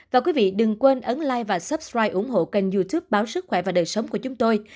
và quý vị đừng quên ấn lai và supri ủng hộ kênh youtube báo sức khỏe và đời sống của chúng tôi